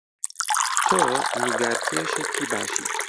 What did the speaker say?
تۆ نیگارکێشێکی باشیت.